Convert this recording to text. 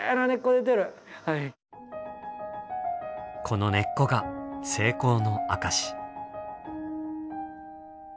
この根っこが成功の証し。